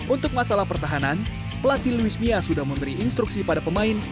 untuk masalah pertahanan pelatih luis mia sudah memberi instruksi pada pemain